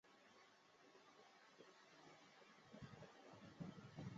肛门至鳃裂之距离小于头长。